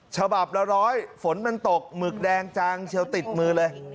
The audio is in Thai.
ฉบับละร้อยฝนมันตกหมึกแดงจางเชียวติดมือเลย